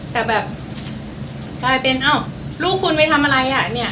แต่แบบกลายเป็นเอ้าลูกคุณไปทำอะไรอ่ะเนี่ย